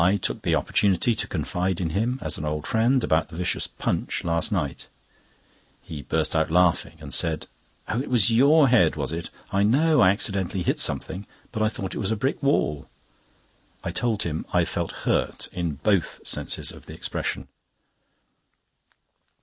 I took the opportunity to confide in him, as an old friend, about the vicious punch last night. He burst out laughing, and said: "Oh, it was your head, was it? I know I accidentally hit something, but I thought it was a brick wall." I told him I felt hurt, in both senses of the expression.